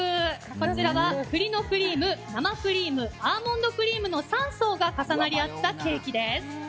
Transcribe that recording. こちらは栗のクリーム生クリームアーモンドクリームの３層が重なり合ったケーキです。